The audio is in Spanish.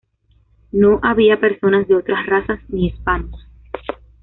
No había personas de otras razas ni hispanos.